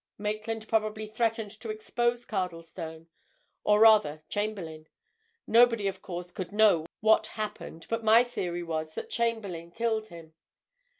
Maitland probably threatened to expose Cardlestone, or, rather, Chamberlayne—nobody, of course, could know what happened, but my theory was that Chamberlayne killed him.